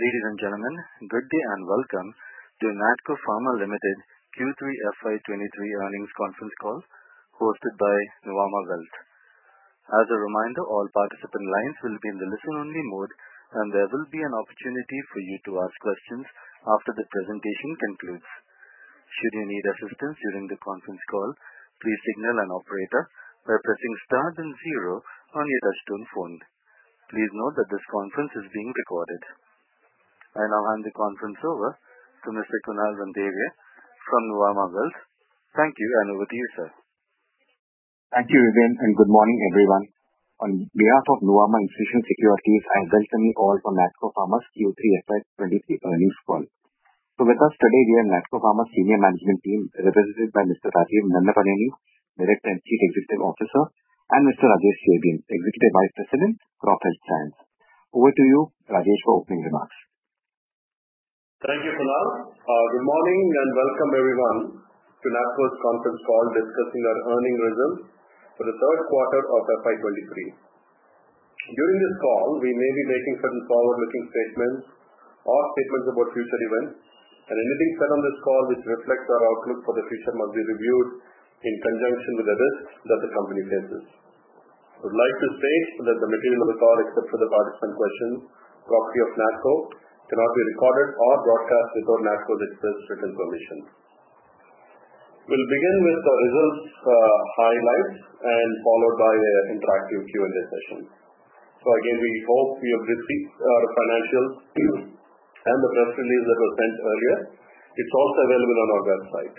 Ladies and gentlemen, good day and welcome to NATCO Pharma Limited Q3 FY 23 earnings conference call hosted by Nuvama Wealth. As a reminder, all participant lines will be in the listen only mode, and there will be an opportunity for you to ask questions after the presentation concludes. Should you need assistance during the conference call, please signal an operator by pressing star then zero on your touchtone phone. Please note that this conference is being recorded. I now hand the conference over to Mr. Kunal Randeria from Nuvama Wealth. Thank you, and over to you, sir. Thank you again, and good morning, everyone. On behalf of Nuvama Institutional Equities, I welcome you all for NATCO Pharma's Q3 FY 2023 Earnings Call. With us today we have NATCO Pharma senior management team represented by Mr. Rajeev Nannapaneni, Director and Chief Executive Officer, and Mr. Rajesh Chebiyam, Executive Vice President, Crop Health Sciences. Over to you, Rajesh, for opening remarks. Thank you, Kunal. Good morning and welcome everyone to NATCO's conference call discussing our earning results for the third quarter of FY 2023. During this call, we may be making certain forward-looking statements or statements about future events, anything said on this call which reflects our outlook for the future must be reviewed in conjunction with the risks that the company faces. I would like to state that the material of the call, except for the participant questions, property of NATCO cannot be recorded or broadcast before NATCO's express written permission. We'll begin with the results, highlights and followed by a interactive Q&A session. Again, we hope you have received our financials and the press release that was sent earlier. It's also available on our website.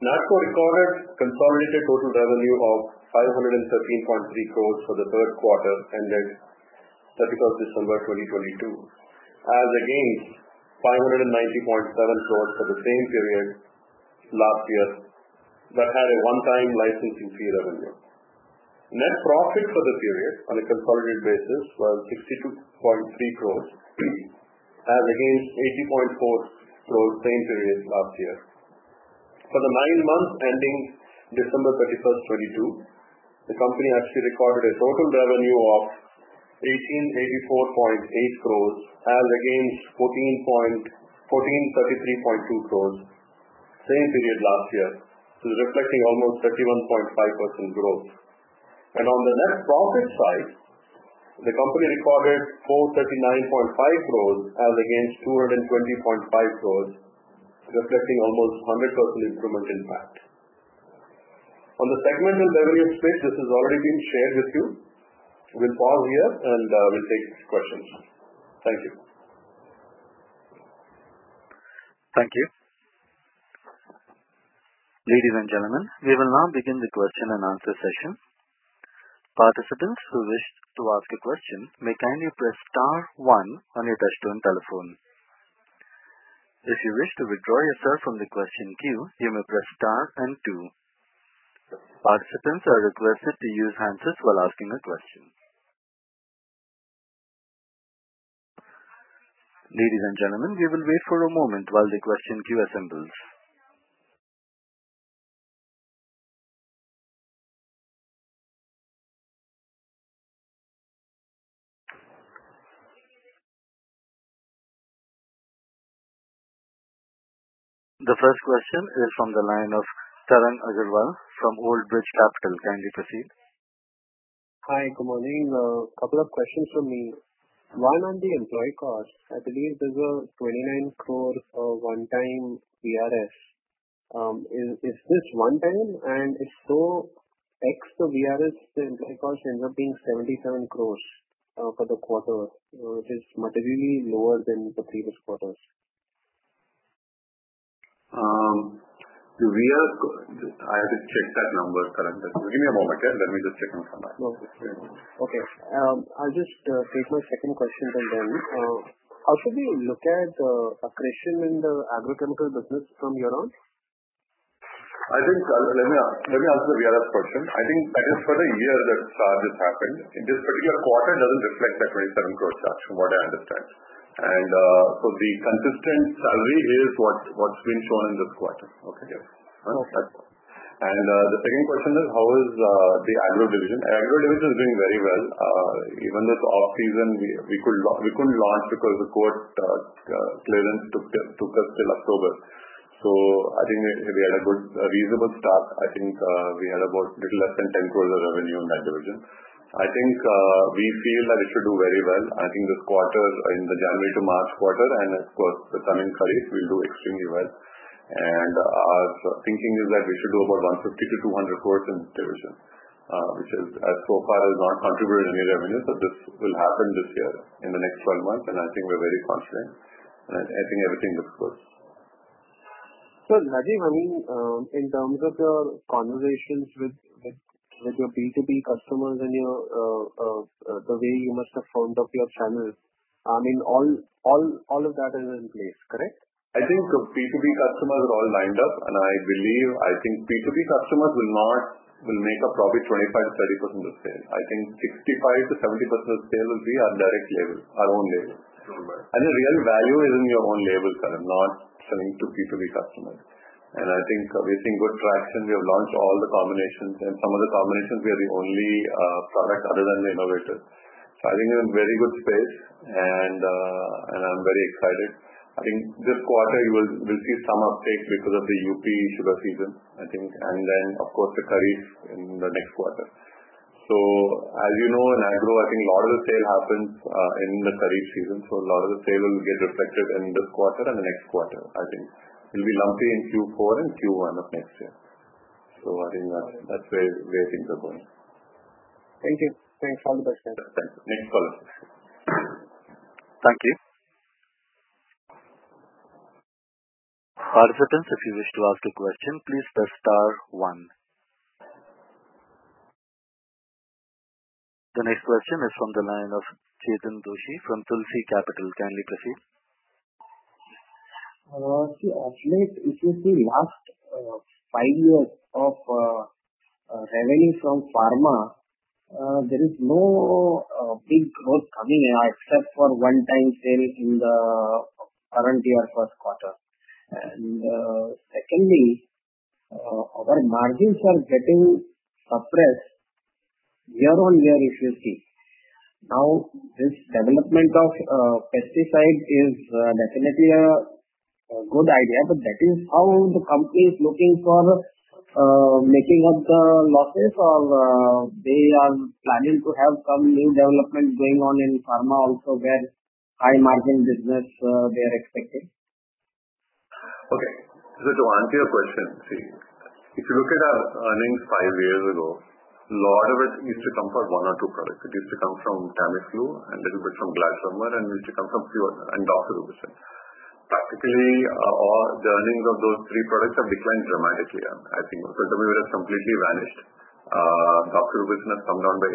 NATCO recorded consolidated total revenue of 513.3 crores for the third quarter ended 31st December 2022, as against 590.7 crores for the same period last year that had a one-time licensing fee revenue. Net profit for the period on a consolidated basis was 62.3 crores as against 80.4 crores same period last year. For the nine months ending December 31st 2022, the company actually recorded a total revenue of 1,884.8 crores as against 1,433.2 crores same period last year, reflecting almost 31.5% growth. On the net profit side, the company recorded 439.5 crores as against INR 220.5 crores, reflecting almost 100% increment in PAT. On the segmental revenue split, this has already been shared with you. We'll pause here and, we'll take questions. Thank you. Thank you. Ladies and gentlemen, we will now begin the question and answer session. Participants who wish to ask a question may kindly press star 1 on your touchtone telephone. If you wish to withdraw yourself from the question queue, you may press star and 2. Participants are requested to use hands up while asking a question. Ladies and gentlemen, we will wait for a moment while the question queue assembles. The first question is from the line of Tarang Agrawal from Old Bridge Capital. Kindly proceed. Hi. Good morning. Couple of questions from me. One on the employee cost, I believe there's a 29 crores for one-time VRS. Is this one-time? If so, ex the VRS, the employee cost ends up being 77 crores for the quarter, which is materially lower than the previous quarters. The VRS, I have to check that number, Tarang. Give me a moment here. Let me just check and come back. Okay. I'll just take my second question then. How should we look at accretion in the Agrochemical business from here on? I think, let me answer the VRS question. I think that is for the year that this happened. In this particular quarter, it doesn't reflect that 27 crores touch from what I understand. The consistent salary is what's been shown in this quarter. Okay. Okay. The second question is how is the Agro division. Agro division is doing very well. Even this off season, we couldn't launch because the court clearance took us till October. I think we had a good reasonable start. I think we had about little less than 10 crore of revenue in that division. I think we feel that it should do very well. I think this quarter in the January to March quarter and of course the coming Kharif will do extremely well. Our thinking is that we should do over 150-200 crore in division, which is as profile has not contributed any revenue. This will happen this year in the next 12 months, and I think we're very confident. I think everything looks good. Rajeev, I mean, in terms of your conversations with your B2B customers and your, the way you must have formed up your channels, I mean all of that is in place, correct? I think B2B customers are all lined up, and I believe, I think B2B customers will not, will make a profit 25%-30% of sales. I think 65%-70% of sales will be our direct label, our own label. The real value is in your own labels that are not selling to B2B customers. I think we're seeing good traction. We have launched all the combinations, and some of the combinations we are the only product other than the innovator. I think we're in very good space and I'm very excited. I think this quarter we'll see some uptake because of the UP sugar season, I think, and then of course the Kharif in the next quarter. As you know, in Agro, I think a lot of the sale happens in the Kharif season, so a lot of the sale will get reflected in this quarter and the next quarter, I think. It'll be lumpy in Q4 and Q1 of next year. I think that's where things are going. Thank you. Thanks. All the best. Thanks. Thanks a lot. Thank you. Participants, if you wish to ask a question, please press star 1. The next question is from the line of Chetan Doshi from Tulsi Capital. Kindly proceed. See, actually, if you see last five years of revenue from Pharma, there is no big growth coming except for one-time sale in the current year first quarter. Secondly, our margins are getting suppressed year-on-year if you see. This development of pesticide is definitely a good idea. That is how the company is looking for making up the losses or they are planning to have some new development going on in Pharma also where high margin business they are expecting. Okay. To answer your question, see, if you look at our earnings five years ago, a lot of it used to come from one or two products. It used to come from Tamiflu and little bit from Glatiramer, and it used to come from Pure and doctor business. Practically, all the earnings of those three products have declined dramatically, I think. Tamiflu has completely vanished. Doctor business come down by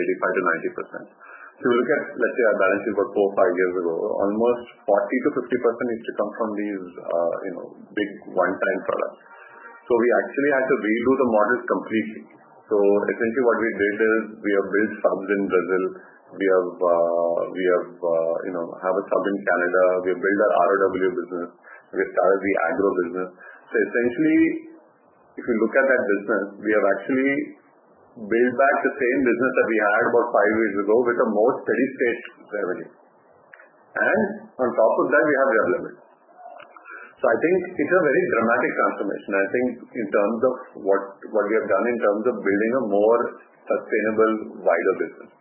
85%-90%. If you look at, let's say our balance sheet for 4, 5 years ago, almost 40%-50% used to come from these, you know, big one-time products. We actually had to redo the models completely. Essentially what we did is we have built subs in Brazil. We have, you know, have a sub in Canada. We have built our ROW business. We started the Agro business. Essentially, if you look at that business, we have actually built back the same business that we had about five years ago with a more steady state revenue. On top of that we have Revlimid. I think it's a very dramatic transformation, I think, in terms of what we have done in terms of building a more sustainable, wider business.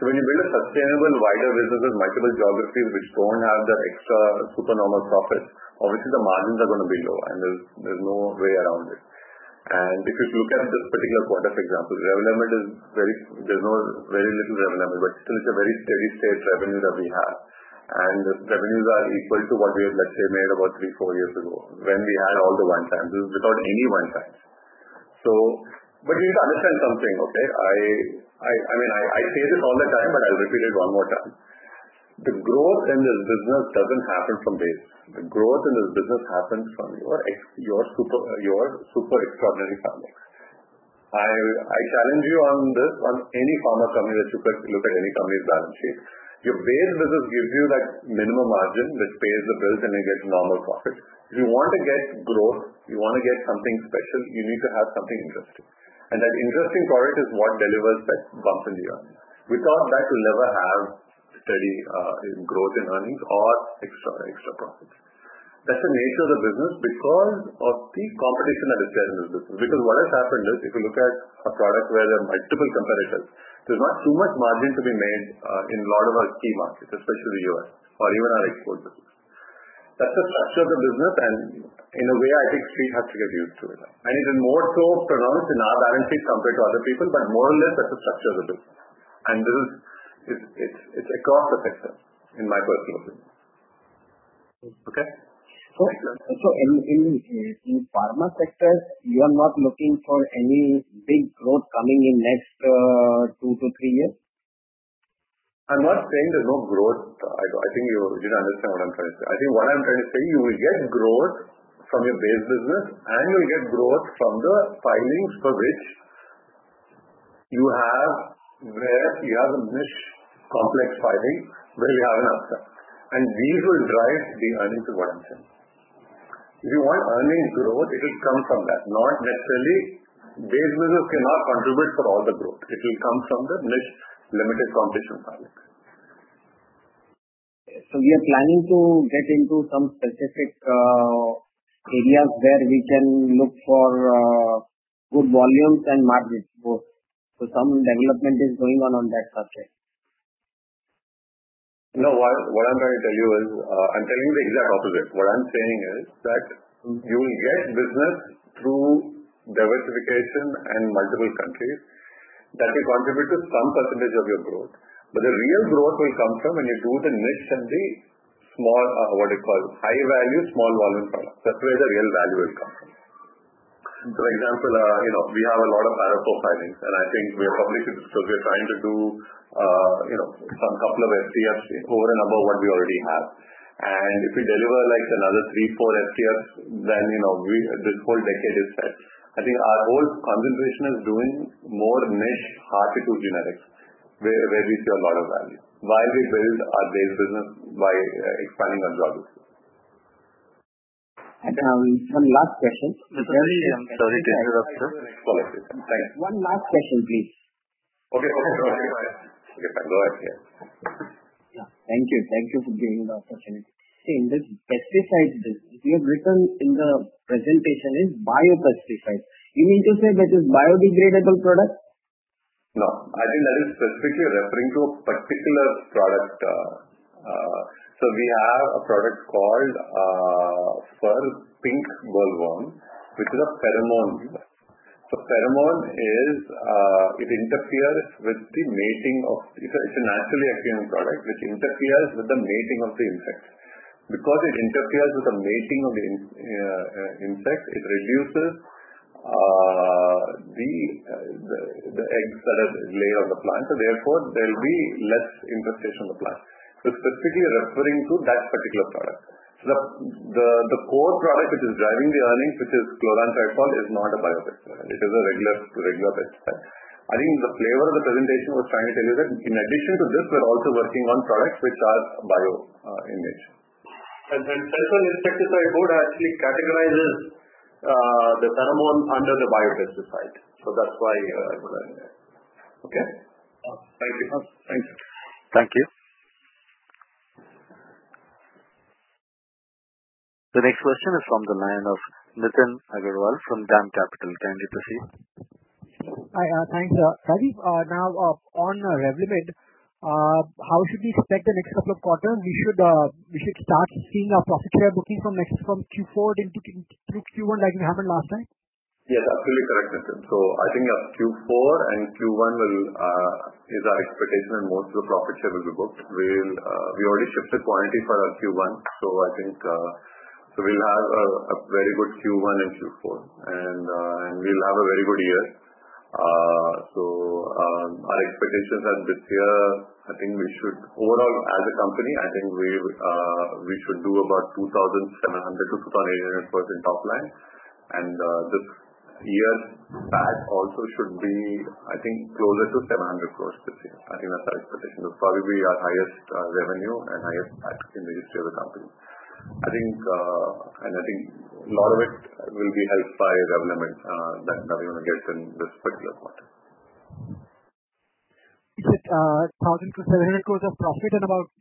When you build a sustainable wider business with multiple geographies which don't have the extra super normal profits, obviously the margins are gonna be low and there's no way around it. If you look at this particular quarter, for example, Revlimid is very little revenue, but still it's a very steady state revenue that we have. The revenues are equal to what we have, let's say, made about three, four years ago when we had all the one times. You need to understand something, okay? I mean, I say this all the time, but I'll repeat it one more time. The growth in this business doesn't happen from base. The growth in this business happens from your super extraordinary pharma. I challenge you on this, on any pharma company that you pick, look at any company's balance sheet. Your base business gives you that minimum margin which pays the bills and you get normal profits. If you want to get growth, you wanna get something special, you need to have something interesting. That interesting product is what delivers that bump in the earnings. Without that, you'll never have steady growth in earnings or extra profits. That's the nature of the business because of the competition that is there in this business. What has happened is, if you look at a product where there are multiple competitors, there's not too much margin to be made in a lot of our key markets, especially U.S. or even our export business. That's the structure of the business, and in a way, I think we have to get used to it. It is more so pronounced in our balance sheet compared to other people, but more or less that's the structure of the business. This is, it's across the sector in my personal opinion. Okay? In Pharma sector, you are not looking for any big growth coming in next two to three years? I'm not saying there's no growth. I think you didn't understand what I'm trying to say. I think what I'm trying to say, you will get growth from your base business and you'll get growth from the filings for which you have, where you have a niche complex filing where you have an option, and these will drive the earnings to what I'm saying. If you want earnings growth, it'll come from that, not necessarily. Base business cannot contribute for all the growth. It will come from the niche limited competition filing. We are planning to get into some specific areas where we can look for good volumes and margins both. Some development is going on on that subject? No. What I'm trying to tell you is, I'm telling you the exact opposite. What I'm saying is that you will get business through diversification in multiple countries. That will contribute to some percentage of your growth. The real growth will come from when you do the niche and the small, high value, small volume products. That's where the real value will come from. For example, you know, we have a lot of ANDA filings, and I think we probably should. We're trying to do, you know, some couple of FCF over and above what we already have. If we deliver like another three, four FCFs, you know, this whole decade is set. I think our whole concentration is doing more niche hard to do generics where we see a lot of value while we build our base business by expanding our geographies. One last question. Sorry to interrupt you. Go ahead. One last question, please. Okay. Okay. Go ahead. Thank you. Thank you for giving the opportunity. In this pesticides business, you have written in the presentation is biopesticides. You mean to say that is biodegradable product? No. I think that is specifically referring to a particular product. We have a product called Pink Bollworm, which is a pheromone. Pheromone is, it interferes with the mating of... It's a, it's a naturally occurring product which interferes with the mating of the insects. It interferes with the mating of the insect, it reduces the eggs that are laid on the plant. Therefore there will be less infestation on the plant. Specifically referring to that particular product. The core product which is driving the earnings, which is chlorantraniliprole, is not a biopesticide, it is a regular pesticide. I think the flavor of the presentation was trying to tell you that in addition to this, we're also working on products which are bio in nature. The Central Insecticides Board actually categorizes the pheromone under the biopesticide. That's why, okay. Thank you. Thank you. Thank you. The next question is from the line of Nitin Agarwal from DAM Capital. Kindly proceed. Hi. Thanks. Rajeev, now on Revlimid, how should we expect the next couple of quarters? We should start seeing a profit share booking from Q4 into Q1 like it happened last time? Yes, absolutely correct, Nitin. I think Q4 and Q1 will is our expectation most of the profit share will be booked. We already shipped the quantity for Q1, so I think we'll have a very good Q1 and Q4 and we'll have a very good year. Our expectations are this year I think we should overall as a company, I think we should do about 2,700 crore-2,800 crore in top line. This year's PAT also should be, I think, closer to 700 crore this year. I think that's our expectation. It'll probably be our highest revenue and highest PAT in the history of the company. I think, and I think a lot of it will be helped by Revlimid, that we're going to get in this particular quarter. You said, 1,000 crores-700 crores of profit at about,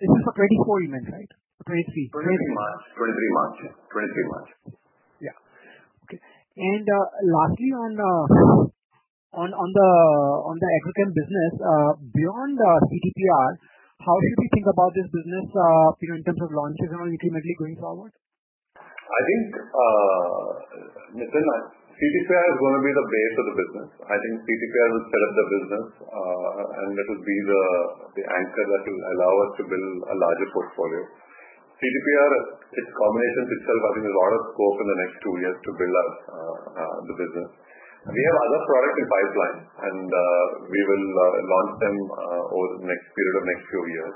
this is for 2024 you meant, right? Or 2023? '23 March. Yeah. Okay. Lastly on the Agrochem business, beyond CTPR, how should we think about this business, you know, in terms of launches and all ultimately going forward? I think, Nitin, CTPR is gonna be the base of the business. I think CTPR will set up the business, and it'll be the anchor that will allow us to build a larger portfolio. CTPR, its combinations itself I think has a lot of scope in the next two years to build out the business. We have other products in pipeline and we will launch them over the next period of next few years.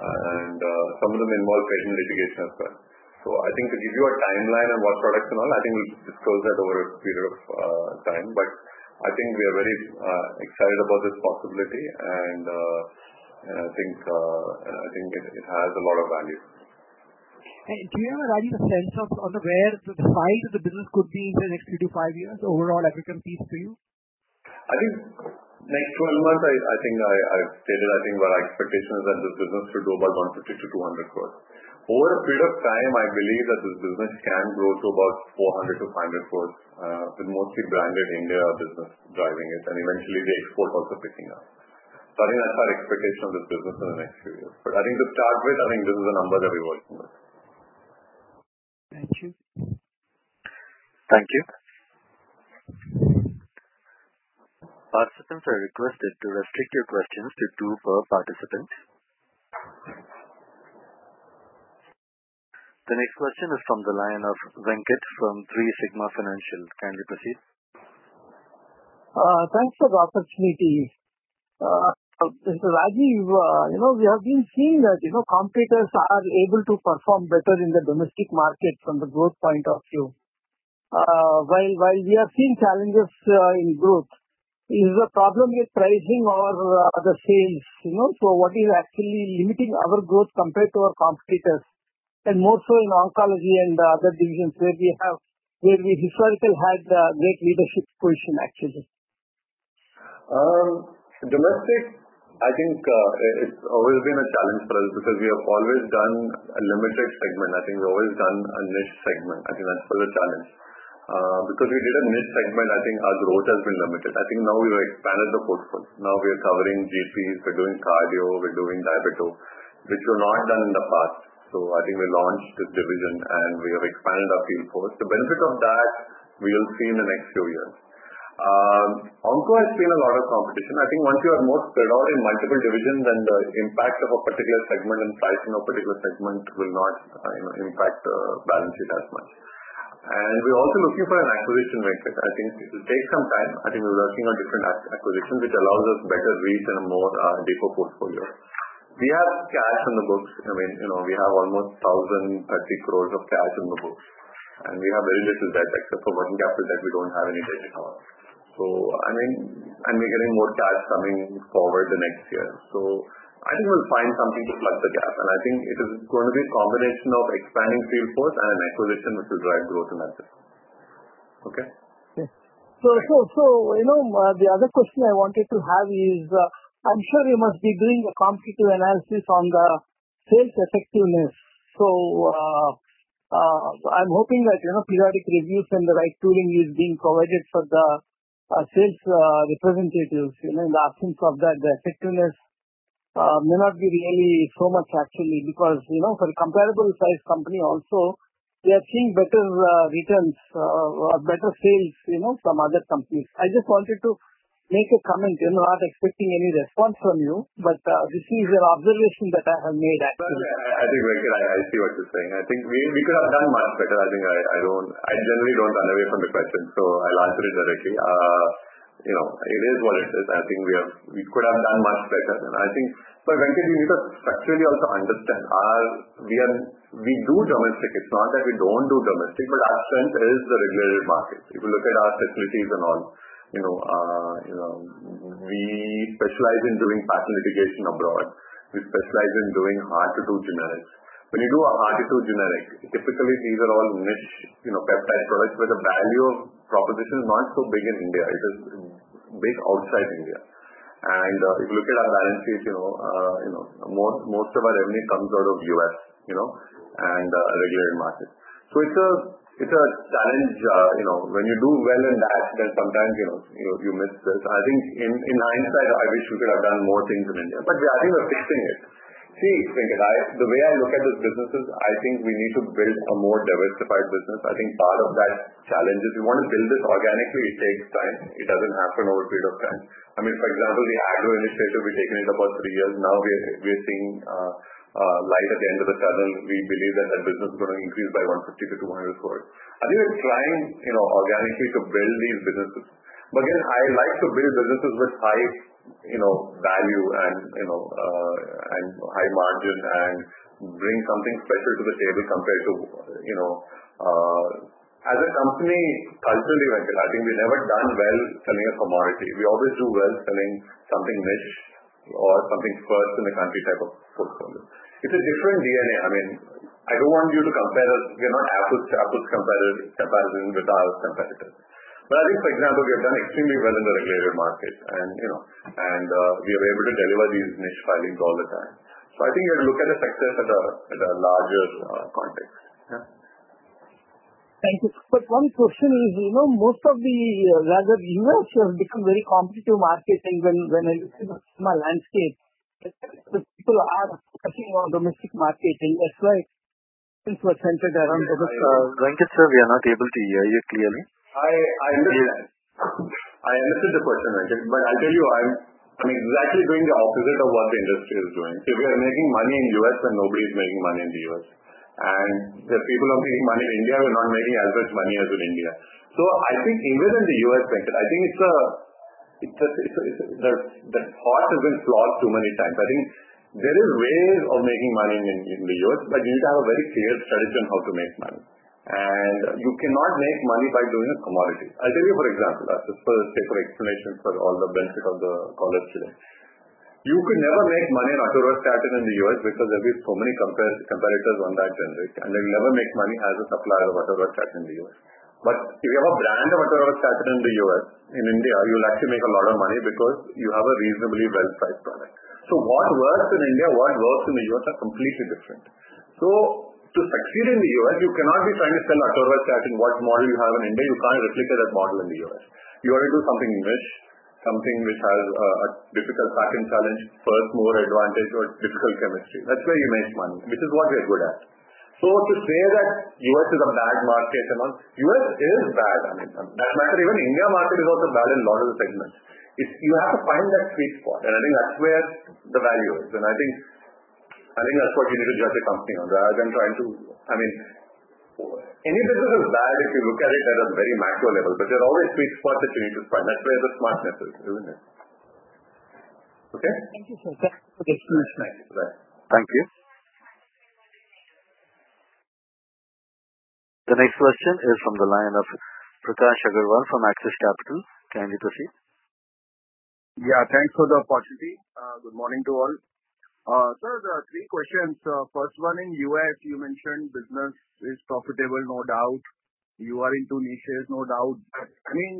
Some of them involve patent litigation as well. I think to give you a timeline on what products and all, I think we'll disclose that over a period of time, but I think we are very excited about this possibility and I think it has a lot of value. Do you have a sense of where the size of the business could be in the next 3-5 years overall Agrochem piece for you? I think next 12 months, I think I stated what our expectation is that this business should grow by 150-200 crores. Over a period of time, I believe that this business can grow to about 400-500 crores with mostly branded India business driving it and eventually the export also picking up. I think that's our expectation of this business in the next few years. I think to start with, I think this is a number that we're working with. Thank you. Thank you. Participants are requested to restrict your questions to two per participant. The next question is from the line of Venkat from 3Sigma Financials. Kindly proceed. Thanks for the opportunity. Rajeev, you know, we have been seeing that, you know, competitors are able to perform better in the domestic market from the growth point of view. While we are seeing challenges in growth, is the problem with pricing or the sales, you know? What is actually limiting our growth compared to our competitors and more so in oncology and other divisions where we historically had a great leadership position actually. Domestic I think, it's always been a challenge for us because we have always done a limited segment. I think we've always done a niche segment. I think that's been a challenge. Because we did a niche segment I think our growth has been limited. I think now we've expanded the portfolio. Now we are covering GPs, we're doing cardio, we're doing diabeto, which we've not done in the past. I think we launched this division and we have expanded our field force. The benefit of that we will see in the next few years. Onco has seen a lot of competition. I think once you are more spread out in multiple divisions then the impact of a particular segment and pricing of a particular segment will not, you know, impact balance sheet as much. We're also looking for an acquisition vector. I think it'll take some time. I think we're working on different acquisitions which allows us better reach and a more deeper portfolio. We have cash on the books. I mean, you know, we have almost 1,030 crores of cash on the books. And we have very little debt. Except for working capital debt, we don't have any debt at all. I mean, we're getting more cash coming forward the next year. I think we'll find something to plug the gap, and I think it is going to be a combination of expanding field force and acquisition, which will drive growth in that space. Okay? Okay. You know, the other question I wanted to have is, I'm sure you must be doing a competitive analysis on the sales effectiveness. I'm hoping that, you know, periodic reviews and the right tooling is being provided for the sales representatives, you know, in the absence of that, the effectiveness may not be really so much actually, because, you know, for comparable size company also, we are seeing better returns or better sales, you know, from other companies. I just wanted to make a comment, you know, not expecting any response from you, but this is an observation that I have made actually. Well, I think, Venkat, I see what you're saying. I think we could have done much better. I think I generally don't run away from the question, so I'll answer it directly. You know, it is what it is. I think we could have done much better. Venkat, you need to structurally also understand we do domestic. It's not that we don't do domestic, but our strength is the regulated market. If you look at our facilities and all, you know, we specialize in doing patent litigation abroad. We specialize in doing hard-to-do generics. When you do a hard-to-do generic, typically these are all niche, you know, peptide products where the value proposition is not so big in India. It is big outside India. If you look at our balance sheet, you know, you know, most of our revenue comes out of U.S., you know, and regulated markets. It's a challenge, you know, when you do well in that, sometimes, you know, you miss this. I think in hindsight, I wish we could have done more things in India. I think we're fixing it. See, Venkat, the way I look at this business is I think we need to build a more diversified business. I think part of that challenge is we want to build this organically. It takes time. It doesn't happen over a period of time. I mean, for example, the Agro initiative, we've taken it about three years. Now we are seeing light at the end of the tunnel. We believe that that business is gonna increase by 150 crore-200 crore. I think we're trying, you know, organically to build these businesses. Again, I like to build businesses with high, you know, value and, you know, and high margin and bring something special to the table compared to, you know. As a company, culturally, Venkat, I think we've never done well selling a commodity. We always do well selling something niche or something first in the country type of portfolio. It's a different DNA. I mean, I don't want you to compare us. We are not Apple's competitor. We are our competitor. I think, for example, we have done extremely well in the regulated market and, you know, and we are able to deliver these niche filings all the time. I think we have to look at the success at a larger context. Yeah. Thank you. One question is, you know, most of the rather newer players have become very competitive marketing when I look at my landscape, the people are focusing on domestic market and that's why things were centered around. Venkat, sir, we are not able to hear you clearly. I understood the question, Venkat, but I'll tell you I'm exactly doing the opposite of what the industry is doing. If we are making money in U.S. And nobody is making money in the U.S., and the people who are making money in India, we're not making as much money as in India. I think even in the U.S., Venkat, I think it's a the thought has been flawed too many times. I think there is ways of making money in the U.S., but you need to have a very clear strategy on how to make money. You cannot make money by doing a commodity. I'll tell you for example. I'll just first take for explanation for all the benefit of the college students. You could never make money on atorvastatin in the U.S. because there'll be so many competitors on that generic, and you'll never make money as a supplier of atorvastatin in the U.S. If you have a brand of atorvastatin in the U.S., in India, you'll actually make a lot of money because you have a reasonably well-priced product. What works in India, what works in the U.S. are completely different. To succeed in the U.S., you cannot be trying to sell atorvastatin, what model you have in India, you can't replicate that model in the U.S. You want to do something niche, something which has a difficult patent challenge, first-mover advantage or difficult chemistry. That's where you make money, which is what we are good at. To say that U.S. is a bad market and all, U.S. is bad on income. As a matter, even India market is also bad in a lot of the segments. It's. You have to find that sweet spot, and I think that's where the value is. I think that's what we need to judge a company on rather than trying to. I mean, any business is bad if you look at it at a very macro level. There are always sweet spots that you need to find. That's where the smartness is, isn't it? Okay. Thank you, sir. Okay. Thank you. The next question is from the line of Prakash Agrawal from Axis Capital. Kind you to proceed. Yeah, thanks for the opportunity. Good morning to all. Sir, there are three questions. First one, in U.S. you mentioned business is profitable, no doubt. You are into niches, no doubt. I mean,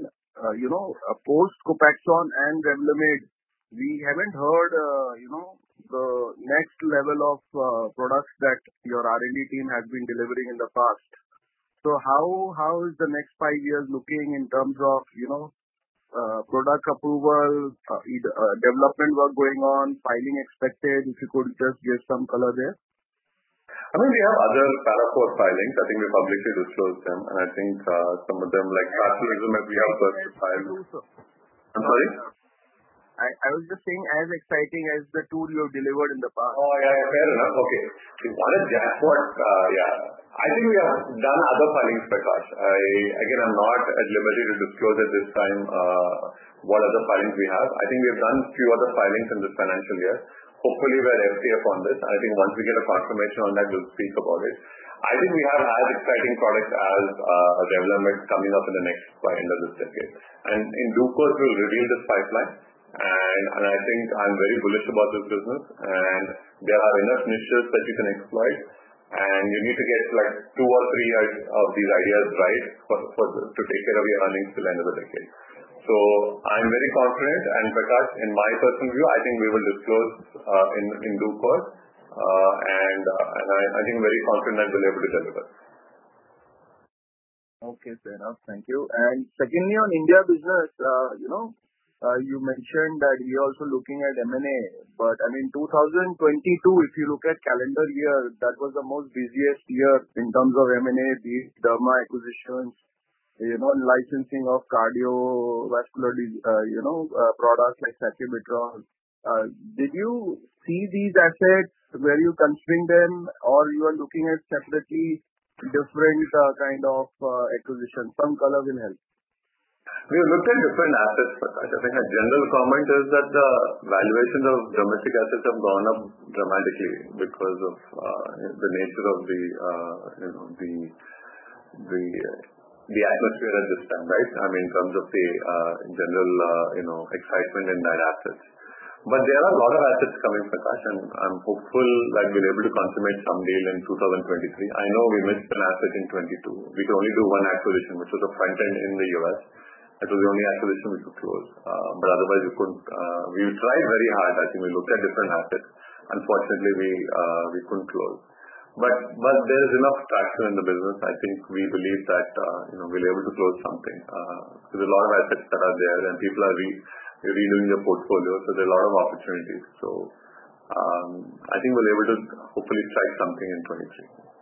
you know, post Copaxone and Revlimid, we haven't heard, you know, the next level of products that your R&D team has been delivering in the past. How is the next five years looking in terms of, you know, product approval, development work going on, filing expected? If you could just give some color there? I mean, we have other Para IV filings. I think we publicly disclosed them, I think some of them like Carfilzomib we have got to file. I'm sorry. I was just saying as exciting as the two you have delivered in the past. Yeah. Fair enough. Okay. It's all a jackpot. Yeah. I think we have done other filings, Prakash. Again, I'm not at liberty to disclose at this time what other filings we have. I think we have done few other filings in this financial year. Hopefully, we're FDA upon this. I think once we get a confirmation on that, we'll speak about it. I think we have as exciting products as Revlimid coming up in the next by end of this decade. In due course, we'll reveal this pipeline and I think I'm very bullish about this business, and there are enough niches that you can exploit, and you need to get, like, two or three of these ideas right for this to take care of your earnings till end of the decade. I'm very confident, and Prakash, in my personal view, I think we will disclose, in due course. And I think very confident we'll be able to deliver. Okay, fair enough. Thank you. Secondly, on India business, you know, you mentioned that you're also looking at M&A. I mean, 2022, if you look at calendar year, that was the most busiest year in terms of M&A, be it Derma acquisitions, you know, licensing of cardiovascularly, you know, products like sacubitril. Did you see these assets? Were you considering them or you are looking at separately different, kind of, acquisition? Some color will help. We looked at different assets, Prakash. I think a general comment is that the valuation of domestic assets have gone up dramatically because of the nature of the, you know, the atmosphere at this time, right? I mean, in terms of the general, you know, excitement in that assets. There are a lot of assets coming, Prakash. I'm hopeful that we'll be able to consummate some deal in 2023. I know we missed an asset in 2022. We could only do one acquisition, which was a front-end in the U.S. That was the only acquisition we could close. Otherwise we couldn't. We tried very hard. I think we looked at different assets. Unfortunately, we couldn't close. There is enough traction in the business. I think we believe that, you know, we'll be able to close something. There's a lot of assets that are there, and people are redoing their portfolios, so there are a lot of opportunities. I think we'll be able to hopefully try something in 2023.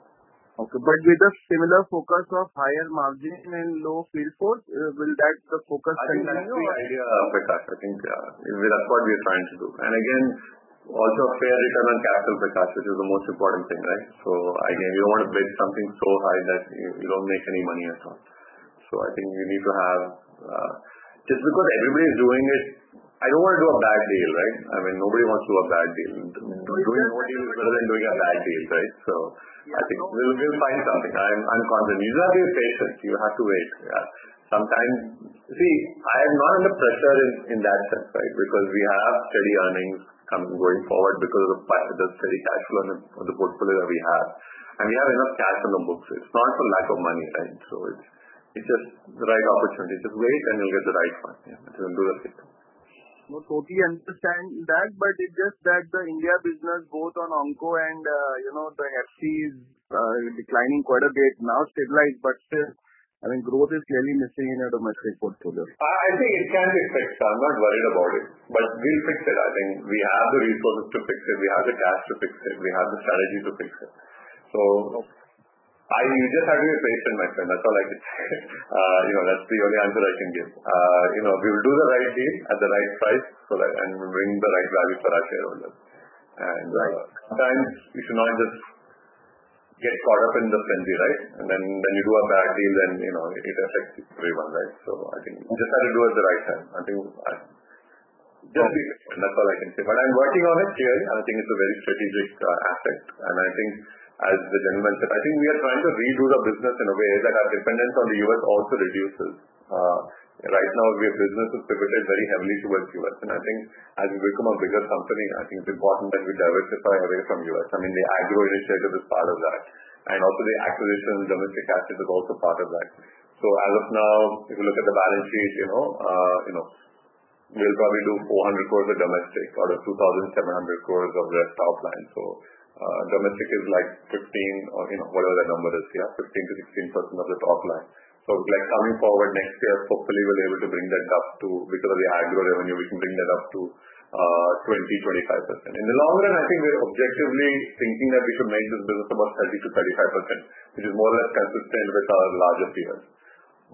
Okay. With a similar focus of higher margin and low field force, will the focus continue? I think that's the idea, Prakash. I think that's what we are trying to do. Again, also fair return on capital, Prakash, which is the most important thing, right? Again, you don't wanna bid something so high that you don't make any money at all. I think you need to have... Just because everybody is doing it, I don't wanna do a bad deal, right? I mean, nobody wants to do a bad deal. Doing no deal is better than doing a bad deal, right? I think we'll find something. I'm confident. You just have to be patient. You have to wait. Yeah. Sometimes... See, I am not under pressure in that sense, right? Because we have steady earnings going forward because of the steady cash flow on the, on the portfolio that we have. We have enough cash on the books. It's not for lack of money, right? It's just the right opportunity. Just wait and you'll get the right one. Yeah. We'll do that, Prakash. No, totally understand that. It's just that the India business, both on onco and, you know, the FC is declining quarter date, now stabilized. I mean, growth is clearly missing in domestic portfolio. I think it can be fixed. I'm not worried about it. We'll fix it. I think we have the resources to fix it. We have the cash to fix it. We have the strategy to fix it. You just have to be patient, my friend. That's all I can say. You know, that's the only answer I can give. You know, we will do the right deal at the right price and bring the right value for our shareholders. Sometimes you should not just get caught up in the frenzy, right? When you do a bad deal then, you know, it affects everyone, right? I think we just have to do it at the right time. I think we're fine. Just be patient. That's all I can say. I'm working on it, clearly. I think it's a very strategic asset. I think as the gentleman said, I think we are trying to redo the business in a way that our dependence on the U.S. also reduces. Right now, our business is pivoted very heavily towards U.S. I think as we become a bigger company, I think it's important that we diversify away from U.S. I mean, the Agro initiative is part of that. Also the acquisition of domestic assets is also part of that. As of now, if you look at the balance sheet, you know, you know, we'll probably do 400 crores of domestic out of 2,700 crores of the top line. Domestic is like 15% or, you know, whatever the number is. Yeah. 15%-16% of the top line. Coming forward next year, hopefully we'll be able to bring that up to because of the Agro revenue, we can bring that up to 20%-25%. In the long run, I think we're objectively thinking that we should make this business about 30%-35%, which is more or less consistent with our larger peers.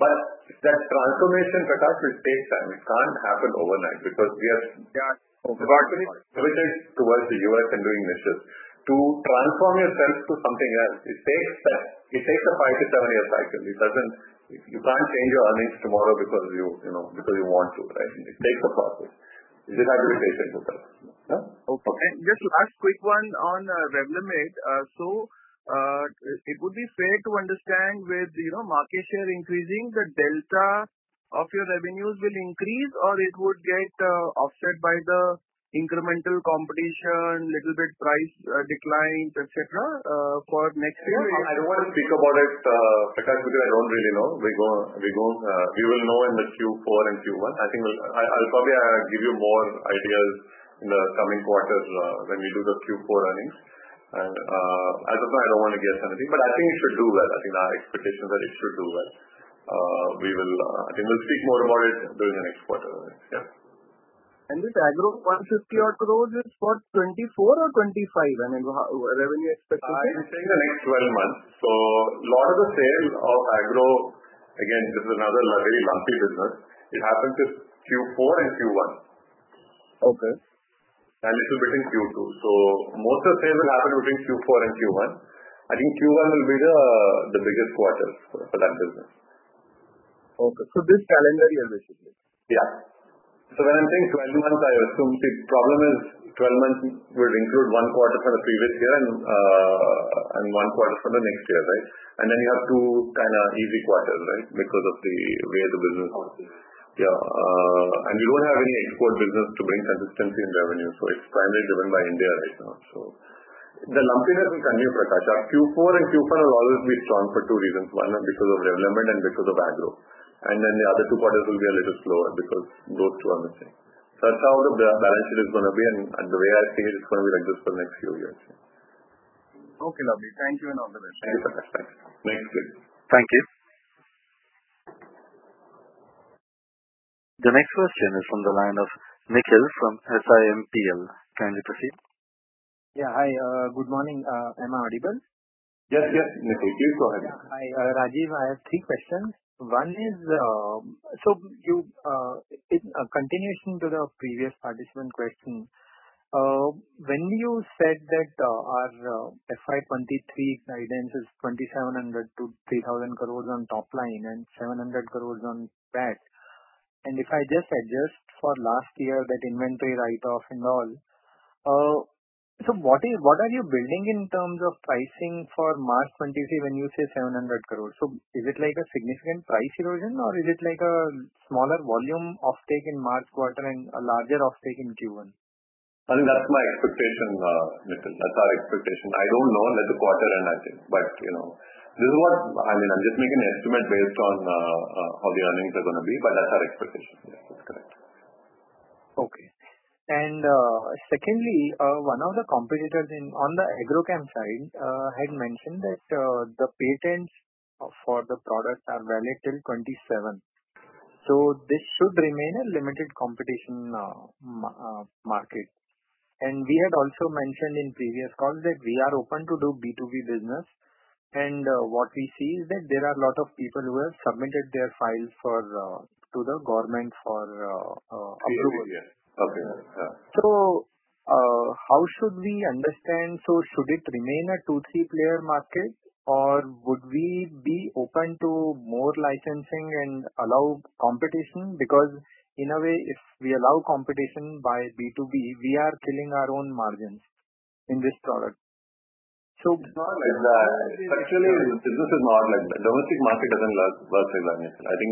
That transformation, Prakash, will take time. It can't happen overnight because we are - Yeah. - relatively pivoted towards the U.S. and doing niches. To transform yourself to something else, it takes time. It takes a five to seven year cycle. You can't change your earnings tomorrow because you know, because you want to, right? It takes a process. You just have to be patient with us. Yeah. Okay. Just last quick one on Revlimid. It would be fair to understand with, you know, market share increasing, the delta of your revenues will increase or it would get offset by the incremental competition, little bit price declines, et cetera, for next year? I don't wanna speak about it, Prakash, because I don't really know. We will know in the Q4 and Q1. I'll probably give you more ideas in the coming quarters when we do the Q4 earnings. As of now I don't wanna guess anything. I think it should do well. I think our expectation is that it should do well. We will. I think we'll speak more about it during the next quarter. Yeah. This Agro 150 odd crores is for 2024 or 2025? I mean, revenue expectation. I would say in the next 12 months. A lot of the sales of Agro, again, this is another very lumpy business. It happens in Q4 and Q1. Okay. A little bit in Q2. Most of the sales will happen between Q4 and Q1. I think Q1 will be the biggest quarter for that business. Okay. This calendar year basically? Yeah. When I'm saying 12 months, I assume the problem is 12 months will include one quarter for the previous year and one quarter for the next year, right? Then you have two kinda easy quarters, right? Because of the way the business- Okay. Yeah. We don't have any export business to bring consistency in revenue, so it's primarily driven by India right now. The lumpiness will continue, Prakash. Our Q4 and Q1 will always be strong for two reasons. One is because of Revlimid, and because of Agro. The other two quarters will be a little slower because those two are missing. That's how the balance sheet is gonna be and the way I see it's gonna be like this for the next few years. Okay, lovely. Thank you and all the best. All the best. Thanks. Thank you. The next question is from the line of Nikhil from SiMPL. Kindly proceed. Yeah. Hi, good morning. Am I audible? Yes, Nikhil. Please go ahead. Yeah, hi, Rajeev, I have three questions. One is, in continuation to the previous participant question, when you said that our FY23 guidance is 2,700-3,000 crores on top line and 700 crores on PAT, and if I just adjust for last year, that inventory write-off and all, what are you building in terms of pricing for March 23 when you say 700 crores? Is it like a significant price erosion or is it like a smaller volume offtake in March quarter and a larger offtake in Q1? I think that's my expectation, Nikhil. That's our expectation. I don't know. Let the quarter end, I think. You know, this is what... I mean, I'm just making an estimate based on, how the earnings are gonna be, but that's our expectation. Yes, that's correct. Secondly, one of the competitors in, on the Agrochemical side, had mentioned that the patents for the products are valid till 2027. This should remain a limited competition market. We had also mentioned in previous calls that we are open to do B2B business. What we see is that there are lot of people who have submitted their files for to the government for approval. Yes. Okay. Yeah. How should we understand? Should it remain a two, three-player market, or would we be open to more licensing and allow competition? In a way, if we allow competition by B2B, we are killing our own margins in this product. It's not like that. Structurally, business is not like that. Domestic market doesn't work like that, Nikhil. I think.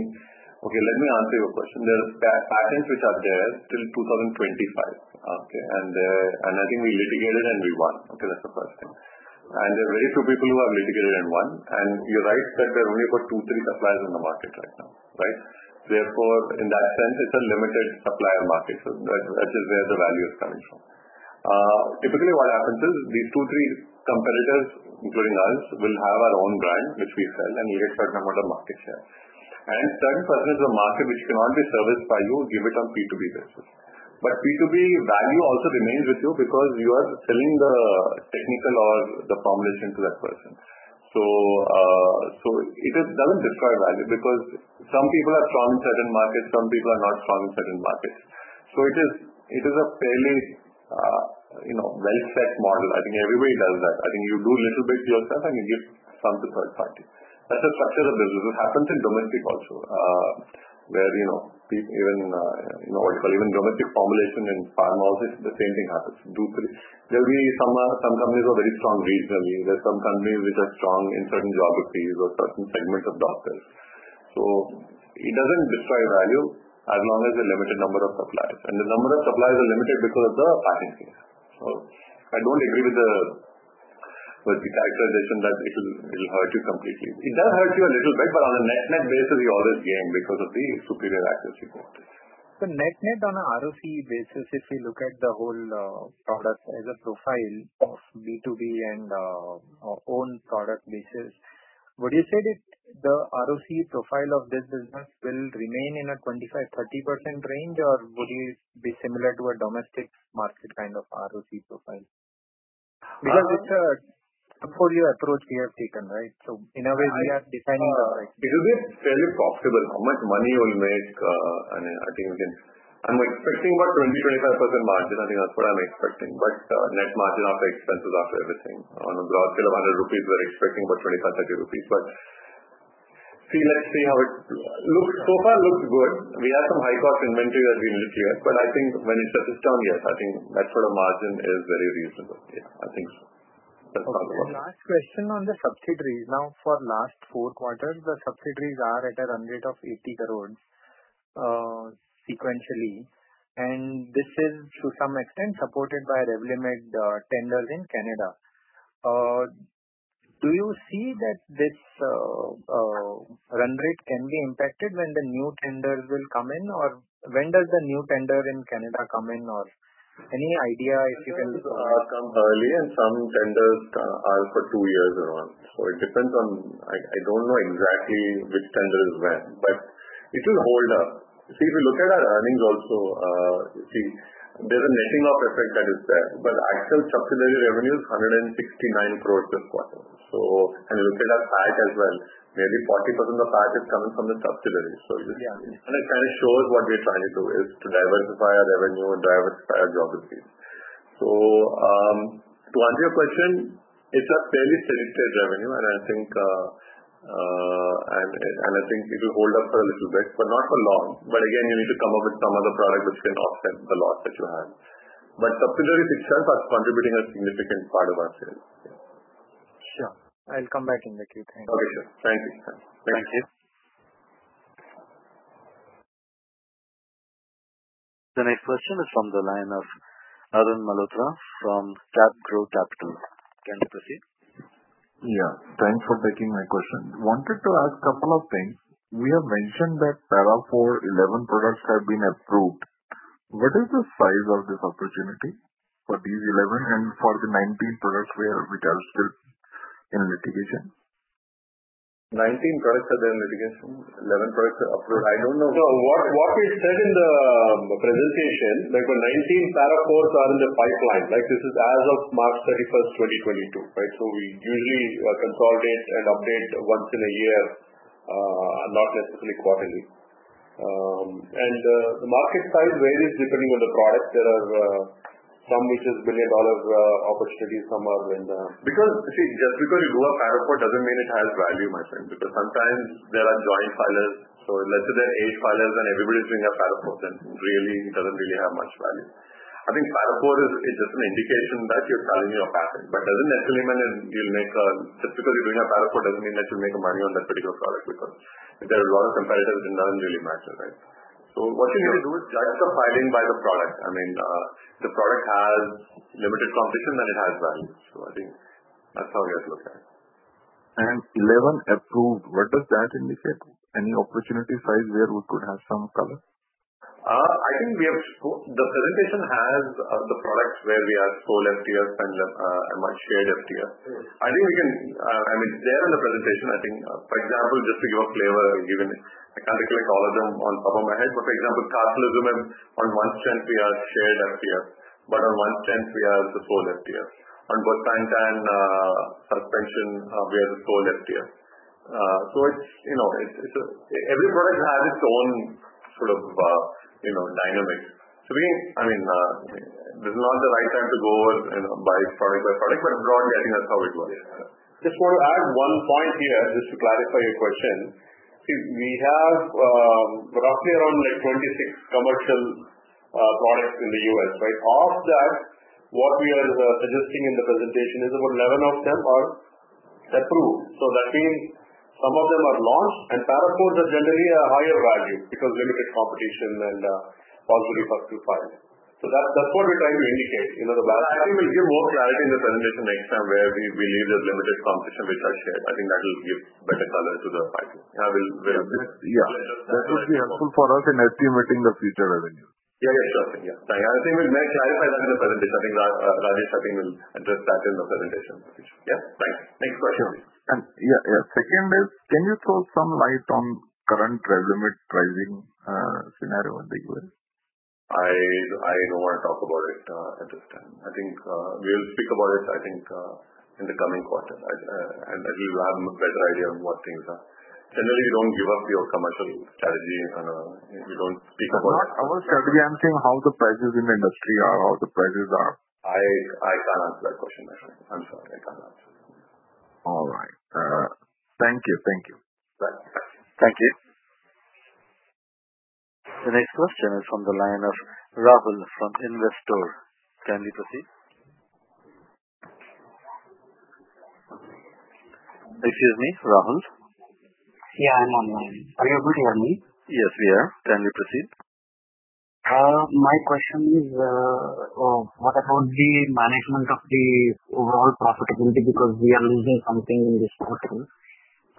Okay, let me answer your question. There are patents which are there till 2025, okay. I think we litigated and we won. Okay, that's the first thing. There are very few people who have litigated and won. You're right said there are only about two, three suppliers in the market right now, right. Therefore, in that sense, it's a limited supplier market. That is where the value is coming from. Typically what happens is, these two, three competitors, including us, will have our own brand, which we sell, and we get a fair amount of market share. Certain percentage of the market which cannot be serviced by you, give it on B2B basis. B2B value also remains with you because you are selling the technical or the formulation to that person. It is, doesn't destroy value because some people are strong in certain markets, some people are not strong in certain markets. It is a fairly, you know, well set model. I think everybody does that. I think you do little bit yourself and you give some to third party. That's the structure of business. It happens in domestic also, where, you know, even, you know, even domestic formulation in pharma also, the same thing happens. Two, three. There'll be some companies are very strong regionally. There's some companies which are strong in certain geographies or certain segments of doctors. It doesn't destroy value as long as there are limited number of suppliers. The number of suppliers are limited because of the patent thing. I don't agree with the characterization that it'll hurt you completely. It does hurt you a little bit, but on a net-net basis, you always gain because of the superior access you got. Net-net on a ROC basis, if we look at the whole, product as a profile of B2B and, our own product basis, would you say that the ROC profile of this business will remain in a 25%-30% range, or would it be similar to a domestic market kind of ROC profile? Because it's a full year approach we have taken, right? In a way we are deciding the price. It will be fairly profitable. How much money we'll make, I'm expecting about 20%-25% margin. I think that's what I'm expecting. Net margin after expenses, after everything. On gross, 100 rupees, we're expecting about 25-30 rupees. See, let's see how it looks. So far looks good. We have some high cost inventory that we litigated, but I think when it settles down, yes, I think that sort of margin is very reasonable. Yeah, I think so. That's how it works. Okay. Last question on the subsidiaries. Now, for last four quarters, the subsidiaries are at a run rate of 80 crores sequentially. This is to some extent supported by Revlimid tenders in Canada. Do you see that this run rate can be impacted when the new tenders will come in? When does the new tender in Canada come in? Any idea if you can - Some early and some tenders are for two years and all. It depends on. I don't know exactly which tender is when, but it will hold up. See, if you look at our earnings also, see, there's a netting off effect that is there. Actual subsidiary revenue is 169 crores this quarter. If you look at our PAT as well, maybe 40% of PAT is coming from the subsidiaries. It, and it kinda shows what we are trying to do, is to diversify our revenue and diversify our geographies. To answer your question, it's a fairly significant revenue and I think, and I think it will hold up for a little bit, but not for long. Again, you need to come up with some other product which can offset the loss that you have. [Sulphur] is itself as contributing a significant part of our sales. Yeah. Sure. I'll come back in the queue. Thank you. Okay. Sure. Thank you. Thank you. The next question is from the line of Arun Malhotra from CapGrow Capital. Can you proceed? Yeah. Thanks for taking my question. Wanted to ask couple of things. We have mentioned that Para IV 11 products have been approved. What is the size of this opportunity for these 11 and for the 19 products which are still in litigation? 19 products are there in litigation. 11 products are approved. I don't know. What we said in the presentation, like for 19 Para IVs are in the pipeline. Like this is as of March 31, 2022, right. We usually consolidate and update once in a year, not necessarily quarterly. And the market size varies depending on the product. There are some which is $1 billion opportunity, some are in the- See, just because you do a Para IV doesn't mean it has value, my friend. Sometimes there are joint filers. Let's say there are eight filers and everybody's doing a Para IV, then really it doesn't really have much value. I think Para IV is just an indication that you're challenging your patent, but doesn't necessarily mean that you'll make. Just because you're doing a Para IV doesn't mean that you'll make money on that particular product because if there are a lot of competitors, it doesn't really matter, right? What you need to do is judge the filing by the product. I mean, if the product has limited competition, then it has value. I think that's how we have to look at it. 11 approved, what does that indicate? Any opportunity size where we could have some color? I think we have. The presentation has the products where we are sole FDF and one shared FDF. Sure. I think we can, I mean, they're in the presentation I think. For example, just to give a flavor, I'll give you. I can't recollect all of them on top of my head, but for example, Carfilzomib on one strength we have shared FDF, but on one strength we have the sole FDF. On Bortezomib, suspension, we have the sole FDF. It's, you know, it's, every product has its own sort of, you know, dynamic. We, I mean, this is not the right time to go over, you know, by product by product, but broadly I think that's how it works. Just wanna add one point here just to clarify your question. See, we have, roughly around like 26 commercial products in the U.S., right? Of that, what we are suggesting in the presentation is about 11 of them are approved. That means some of them are launched and Para IVs are generally a higher value because limited competition and possibly first to file. That's what we're trying to indicate. You know, I think we'll give more clarity in the presentation next time where we leave this limited competition, which are shared. I think that will give better color to the pipe. Yeah, we'll. Yeah. That will be helpful for us in estimating the future revenue. Yeah, yeah. Sure thing. Yeah. I think we'll make clarify that in the presentation. I think Rajesh will address that in the presentation. Yeah. Thanks. Next question please. Sure. Second is can you throw some light on current Revlimid pricing scenario in the U.S.? I don't wanna talk about it at this time. I think we'll speak about it I think in the coming quarter. I think we'll have a better idea of what things are. Generally, we don't give up your commercial strategy and we don't speak about our strategy, I'm saying how the prices in the industry are, or the prices are? I can't answer that question, my friend. I'm sorry. I can't answer that question. All right. Thank you. Thank you. Thank you. Thank you. The next question is from the line of Rahul from Investor. Can we proceed? Excuse me, Rahul. Yeah, I'm on line. Are you able to hear me? Yes, we are. Can you proceed? My question is, what about the management of the overall profitability because we are losing something in this quarter?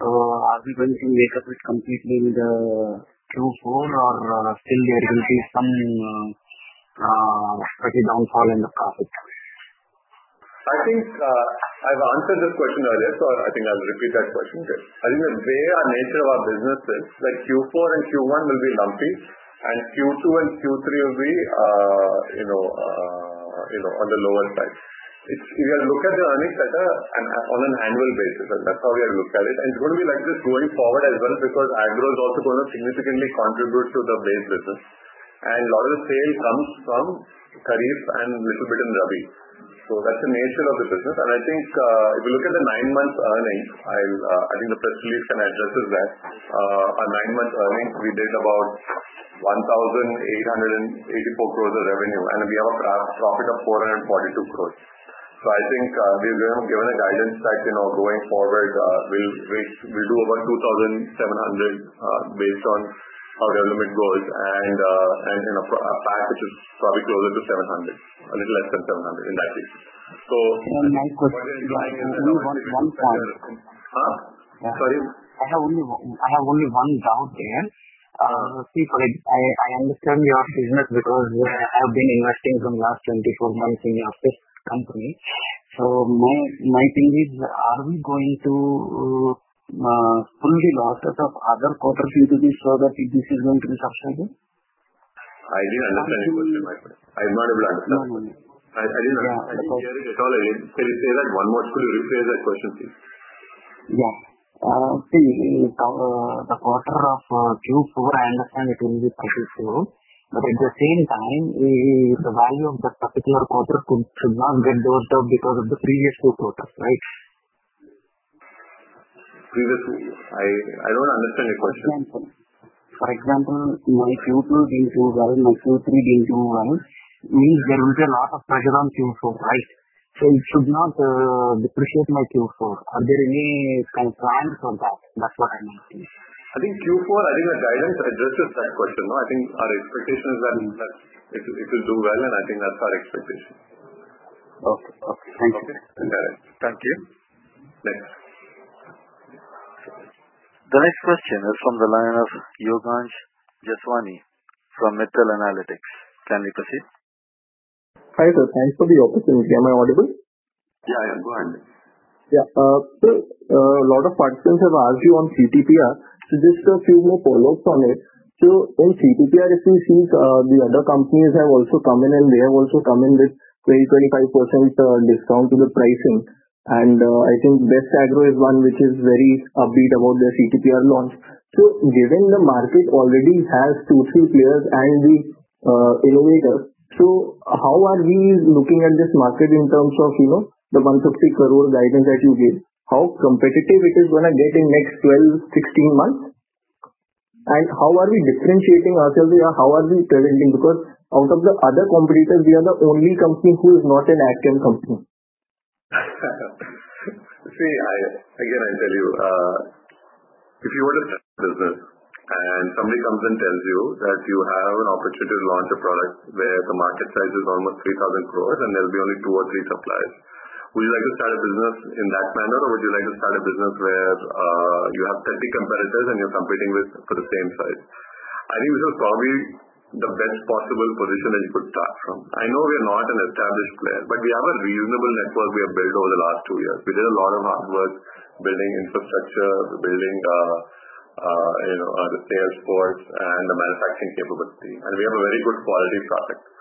Are we going to make up it completely with Q4 or still there will be some pretty downfall in the profit? I think I've answered this question earlier. I think I'll repeat that question. I think the way our nature of our business is, like Q4 and Q1 will be lumpy and Q2 and Q3 will be, you know, on the lower side. You can look at the earnings on an annual basis, and that's how we have looked at it. It's gonna be like this going forward as well because Agro is also gonna significantly contribute to the base business. A lot of the sale comes from Kharif and little bit in Revlimid. That's the nature of the business. I think, if you look at the nine months earnings, I'll, I think the press release can address this that. Our nine months earnings, we did about 1,884 crores of revenue, and we have a profit of 442 crores. I think, we've, you know, given a guidance that, you know, going forward, we'll do over 2,700, based on our Revlimid growth and, you know, a PAT which is probably closer to 700, a little less than 700 in that case. My question I have only one, I have only one doubt here. See for like I understand your business because I have been investing from last 24 months in your company. My thing is, are we going to pull the losses of other quarters into this so that this is going to be subsidized? I didn't understand the question, my friend. I'm not able to understand. I didn't understand. I didn't hear it at all. Can you repeat that question, please? Yeah. see, the quarter of, Q4, I understand it will be cycle 2. At the same time, the value of that particular quarter should not get built up because of the previous two quarters, right? I don't understand your question. For example, my Q2 didn't do well, my Q3 didn't do well, means there will be a lot of pressure on Q4, right? It should not depreciate my Q4. Are there any concerns for that? That's what I'm asking. I think Q4, I think the guidance addresses that question, no? I think our expectations are that it will do well, and I think that's our expectation. Okay. Okay. Thank you. Okay. All right. Thank you. Thanks. The next question is from the line of Yogansh Jeswani from Mittal Analytics. Can we proceed? Hi, sir. Thanks for the opportunity. Am I audible? Yeah. Go ahead. A lot of participants have asked you on CTPR. Just a few more follow-ups on it. In CTPR, if you see, the other companies have also come in, they have also come in with 20%-25% discount to the pricing. I think Best Agrolife is one which is very upbeat about their CTPR launch. Given the market already has two, three players and the innovator, how are we looking at this market in terms of, you know, the 150 crore guidance that you gave? How competitive it is gonna get in next 12, 16 months? How are we differentiating ourselves or how are we presenting? Out of the other competitors, we are the only company who is not an Agrochem company. Again, I'll tell you, if you were to start a business and somebody comes and tells you that you have an opportunity to launch a product where the market size is almost 3,000 crores and there'll be only two or three suppliers. Would you like to start a business in that manner, would you like to start a business where you have 30 competitors and you're competing with for the same size? I think this is probably the best possible position that you could start from. I know we are not an established player, we have a reasonable network we have built over the last two years. We did a lot of hard work building infrastructure, building, you know, the sales force and the manufacturing capability. We have a very good quality product.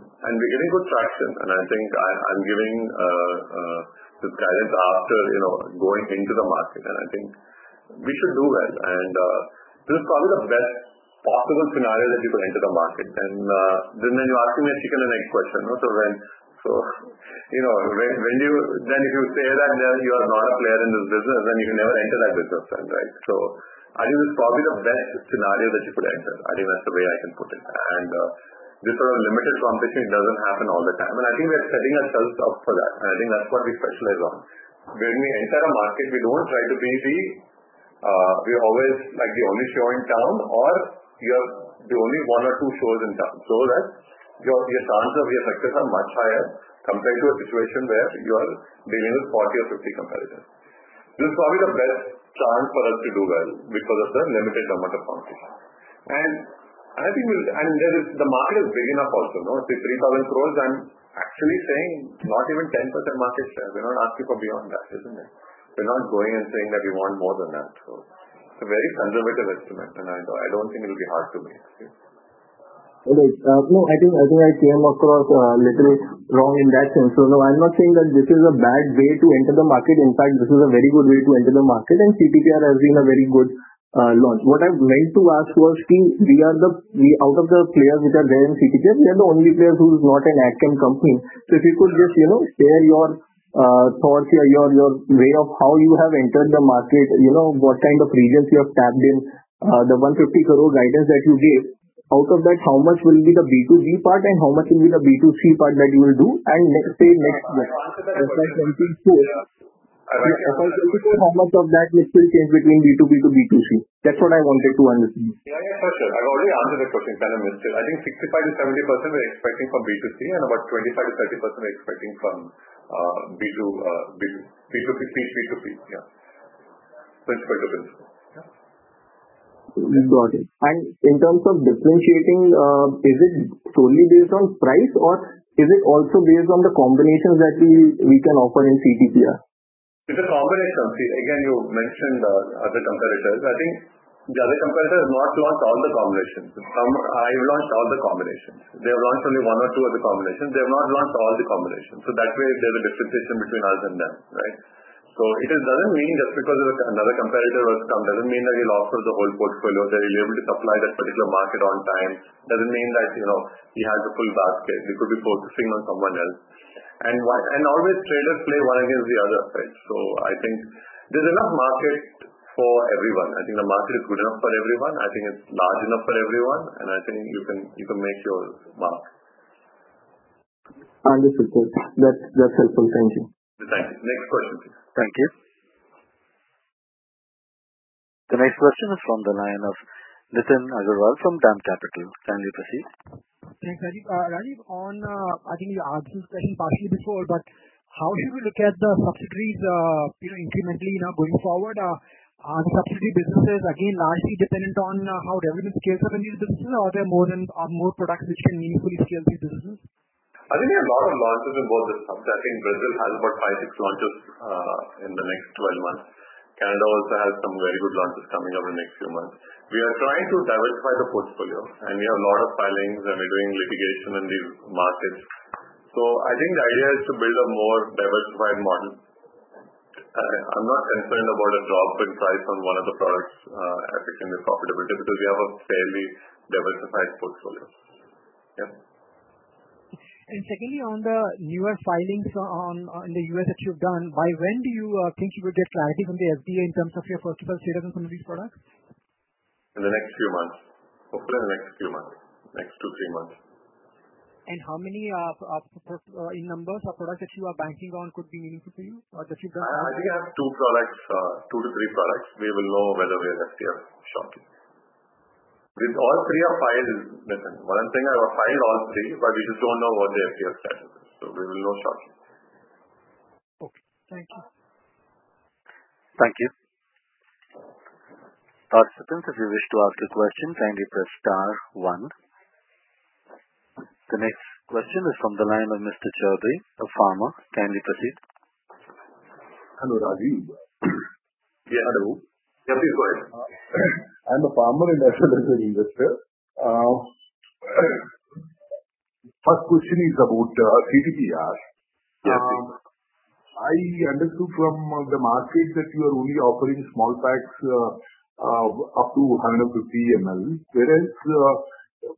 We're getting good traction, and I think I'm giving the guidance after, you know, going into the market, and I think we should do well. This is probably the best possible scenario that you could enter the market. Then you're asking a chicken and egg question also, right? You know, if you say that then you are not a player in this business, then you can never enter that business then, right? I think this is probably the best scenario that you could enter. I think that's the way I can put it. This sort of limited competition doesn't happen all the time. I think we're setting ourselves up for that, and I think that's what we specialize on. When we enter a market, we don't try to be the. We're always, like, the only show in town or you're the only one or two shows in town, so that your chance of your success are much higher compared to a situation where you are dealing with 40 or 50 competitors. This is probably the best chance for us to do well because of the limited amount of competition. I think the market is big enough also, no? See, 3,000 crores, I'm actually saying not even 10% market share. We're not asking for beyond that, isn't it? We're not going and saying that we want more than that. It's a very conservative estimate, and I don't think it'll be hard to make. Got it. No, I think I came across little wrong in that sense. No, I'm not saying that this is a bad way to enter the market. In fact, this is a very good way to enter the market, and CTPR has been a very good launch. What I meant to ask was, see, we, out of the players which are there in CTPR, we are the only players who is not an Agrochem company. If you could just, you know, share your thoughts, your way of how you have entered the market. You know, what kind of regions you have tapped in. The 150 crore guidance that you gave, out of that, how much will be the B2B part and how much will be the B2C part that you will do? Let's say next year how much of that will still change between B2B to B2C? That's what I wanted to understand. Yeah, yeah. For sure. I've already answered that question, but I'll mention. I think 65%-70% we're expecting from B2C and about 25%-30% we're expecting from B2B to B2C. Yeah. That's my prediction. Yeah. Got it. In terms of differentiating, is it solely based on price or is it also based on the combinations that we can offer in CTPR? It's a combination. See, again, you mentioned other competitors. I think the other competitors have not launched all the combinations. I've launched all the combinations. They have launched only one or two of the combinations. They have not launched all the combinations. That way there's a differentiation between us and them, right? It is doesn't mean just because another competitor has come, doesn't mean that he'll offer the whole portfolio, that he'll be able to supply that particular market on time. Doesn't mean that, you know, he has a full basket. He could be focusing on someone else. Always traders play one against the other, right? I think there's enough market for everyone. I think the market is good enough for everyone. I think it's large enough for everyone, and I think you can, you can make your mark. Understood, sir. That's helpful. Thank you. Thank you. Next question. Thank you. The next question is from the line of Nitin Agarwal from DAM Capital. Can we proceed? Thanks, Rajeev. Rajeev on, I think you asked this question partially before, but how should we look at the subsidiaries, you know, incrementally now going forward? Are the subsidiary businesses again largely dependent on, how revenues scale for the new businesses or there are more products which can meaningfully scale these businesses? I think a lot of launches in both the subs. I think Brazil has about five, six launches, in the next 12 months. Canada also has some very good launches coming up in the next few months. We are trying to diversify the portfolio and we have a lot of filings and we're doing litigation in these markets. I think the idea is to build a more diversified model. I'm not concerned about a drop in price on one of the products, affecting the profitability because we have a fairly diversified portfolio. Yep. Secondly, on the newer filings on the U.S. that you've done, by when do you think you will get clarity from the FDA in terms of your first of all sales and community products? In the next few months. Hopefully in the next few months. Next two, three months. How many numbers of products that you are banking on could be meaningful to you or that you've done? I think I have two products, 2-3 products. We will know whether we have FDA shortly. All three are filed. One thing I will file all three, we just don't know what the FDA said. We will know shortly. Okay. Thank you. Thank you. Participants, if you wish to ask a question, kindly press star 1. The next question is from the line of Mr. Chaudhary of Pharma. Kindly proceed. Hello, Rajeev. Yeah, hello. Yes, please go ahead. I'm a Pharma and NATCO investor. First question is about CTPR. I understood from the markets that you are only offering small packs, up to 150 ML. Whereas,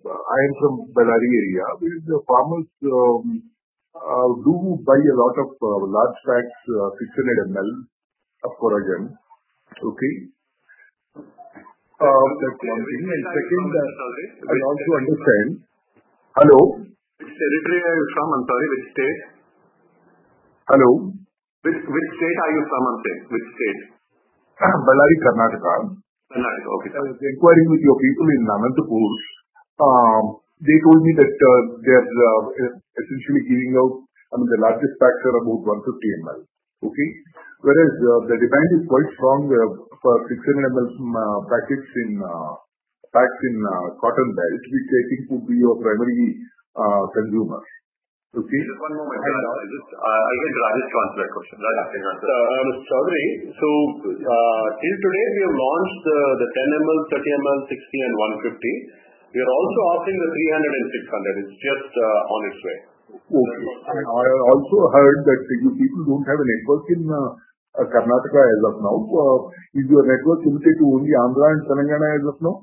I am from Ballari area, where the farmers do buy a lot of large packs, 600 ML of chlorantraniliprole. Okay. That's one thing. Second, I also understand... Hello? Which territory are you from? I'm sorry. Which state? Hello? Which state are you from? I'm saying. Which state? Ballari, Karnataka. Ballari. Okay. I was inquiring with your people in Anantapur. They told me that they're essentially giving out, I mean, the largest packs are about 150 ML. Okay. Whereas the demand is quite strong for 600 ML packets in packs in cotton balance, which I think would be your primary consumer. Okay. Just one moment. I think Rajesh answered that question. Raj, you can answer. Mr. Chaudhary, so, till today we have launched the 10 ML, 30 ML, 60 and 150. We are also offering the 300 and 600. It's just on its way. Okay. I also heard that you people don't have a network in Karnataka as of now. Is your network limited to only Andhra and Telangana as of now?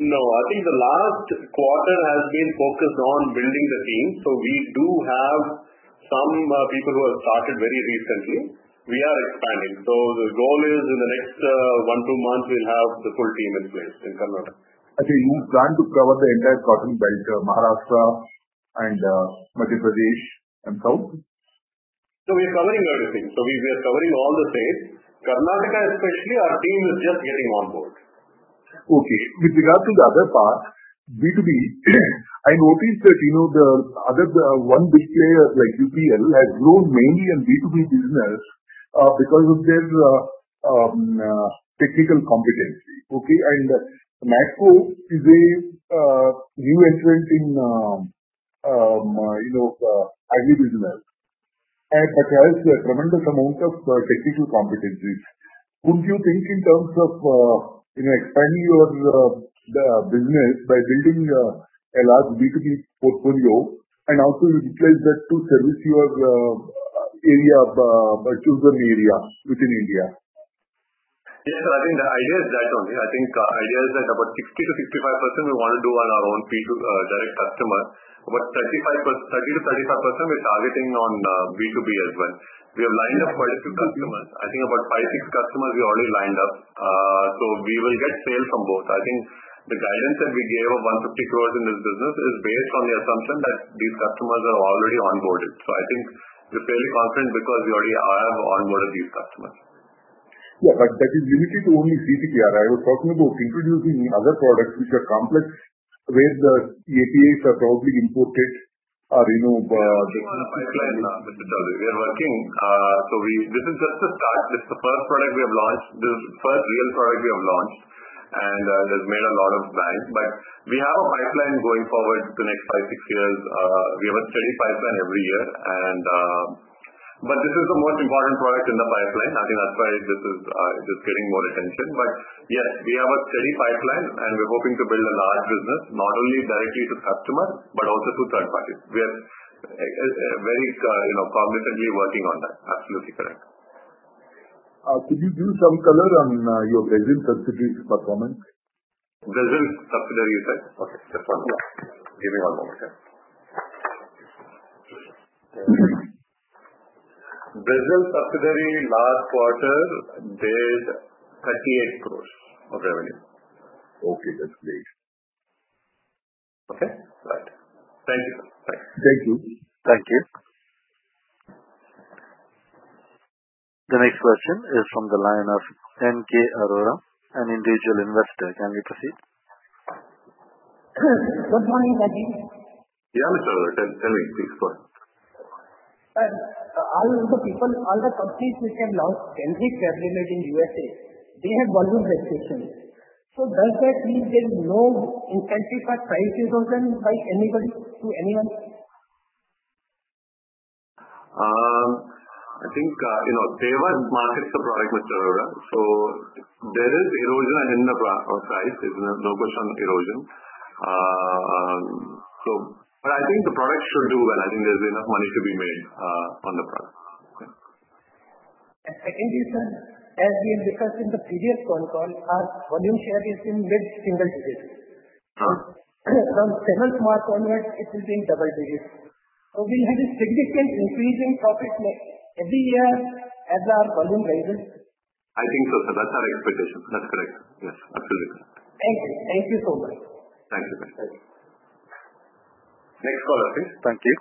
I think the last quarter has been focused on building the team. We do have some people who have started very recently. We are expanding. The goal is in the next one, two months, we'll have the full team in place in Karnataka. Okay. You plan to cover the entire cotton belt, Maharashtra and Madhya Pradesh and South? We are covering everything. We are covering all the states. Karnataka especially, our team is just getting on board. Okay. With regards to the other part, B2B, I noticed that, you know, the other, one big player like UPL has grown mainly in B2B business, because of their technical competency. Okay. NATCO is a new entrant in, you know, AG business and acquires a tremendous amount of technical competencies. Would you think in terms of, you know, expanding your the business by building a large B2B portfolio and also utilize that to service your area, chosen area within India? Yes. I think the idea is that only. I think, idea is that about 60%-65% we wanna do on our own B2C direct customer. About 35%, 30%-35% we're targeting on B2B as well. We have lined up quite a few customers. I think about five, six customers we already lined up. We will get sales from both. I think the guidance that we gave of 150 crores in this business is based on the assumption that these customers are already onboarded. I think we're fairly confident because we already have onboarded these customers. Yeah. That is limited to only CTPR. I was talking about introducing other products which are complex, where the APIs are probably imported or, you know. Yeah. We have a pipeline, Mr. Chaudhary. We are working. This is just a start. This is the first product we have launched. This is the first real product we have launched and it has made a lot of sense. We have a pipeline going forward to the next five, six years. We have a steady pipeline every year. This is the most important product in the pipeline. I think that's why this is, this is getting more attention. Yes, we have a steady pipeline, and we're hoping to build a large business, not only directly to customer, but also to third party. We are very, you know, confidently working on that. Absolutely correct. Could you give some color on your Brazil subsidiary's performance? Brazil subsidiary's performance. Okay, just one moment. Give me one more second. Brazil subsidiary last quarter did 38 crores of revenue. Okay, that's great. Okay. Right. Thank you. Bye. Thank you. Thank you. The next question is from the line of N.K. Arora, an individual investor. Can we proceed? Good morning, Rajeev. Yeah, Mr. Arora. Tell me. Please go on. All the people, all the companies which have launched CTPR in USA, they have volume restrictions. Does that mean there is no incentive for price erosion by anybody to anyone? I think, you know, Teva markets the product, Mr. Arora. There is erosion in the price. There's no question of erosion. I think the product should do well. I think there's enough money to be made, on the product. Okay. Second reason, as we have discussed in the previous call, our volume share is in mid-single digits. Uh-huh. From seventh month onwards, it will be in double digits. We'll have a significant increase in profit every year as our volume rises. I think so, sir. That's our expectation. That's correct. Yes. Absolutely. Thank you. Thank you so much. Thank you. Thank you. Next caller, please. Thank you.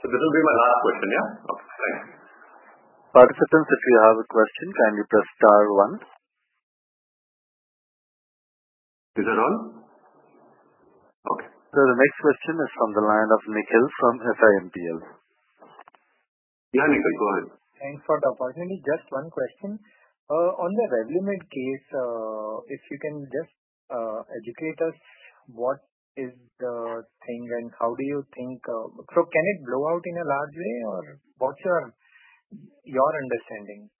This will be my last question, yeah? Okay. Participants, if you have a question can you press star 1. Is that all? Okay. The next question is from the line of Nikhil from SiMPL. Yeah, Nikhil, go ahead. Thanks for the opportunity. Just one question. On the Revlimid case, if you can just educate us, what is the thing and how do you think, can it blow out in a large way or what's your understanding?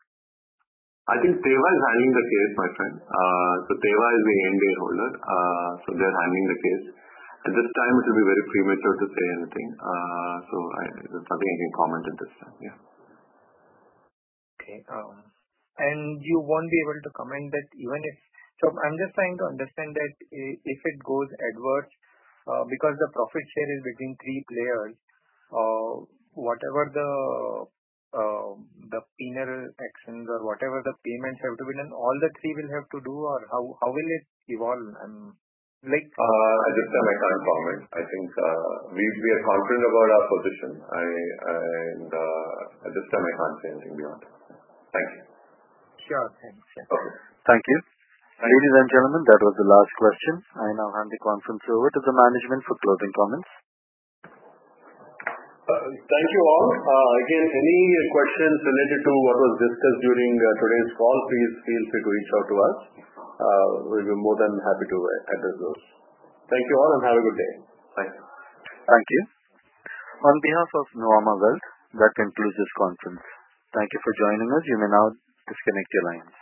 I think Teva is handling the case, my friend. Teva is the NDA holder. They're handling the case. At this time it would be very premature to say anything. It's nothing I can comment at this time. Yeah. Okay. You won't be able to comment that even if. I'm just trying to understand that if it goes adverse, because the profit share is between three players, whatever the penal actions or whatever the payments have to be done, all the three will have to do or how will it evolve. At this time I can't comment. I think we are confident about our position. I, and, at this time I can't say anything beyond that. Thank you. Sure. Thanks. Okay. Thank you. Ladies and gentlemen, that was the last question. I now hand the conference over to the management for closing comments. Thank you all. Any questions related to what was discussed during today's call, please feel free to reach out to us. We'll be more than happy to address those. Thank you all and have a good day. Bye. Thank you. On behalf of Nuvama Wealth, that concludes this conference. Thank you for joining us. You may now disconnect your lines.